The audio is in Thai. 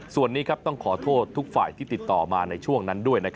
ส่วนนี้ต้องขอโทษทุกฝ่ายที่ติดต่อมาในช่วงนั้นด้วย